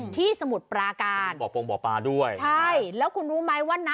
ที่สมุดปราการบอกปรงบอกปลาด้วยใช่แล้วคุณรู้ไหมว่าณ